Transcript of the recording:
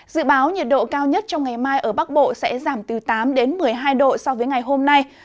dự báo nhiệt độ cao nhất trong ngày mai ở bắc bộ sẽ giảm từ tám đến một mươi hai độ so với ngày hôm nay